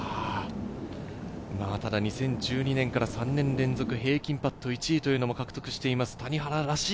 ２０１２年から３年連続平均パット１位というのも獲得しています、谷原らしい